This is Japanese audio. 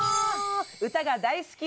歌が大好き！